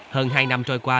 hơn hai năm trôi qua